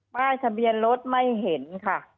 ป้ายทะเบียนรถไม่เห็นค่ะ